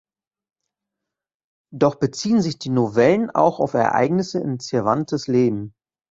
Doch beziehen sich die Novellen auch auf Ereignisse in Cervantes' Leben.